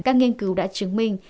các nghiên cứu đã chứng minh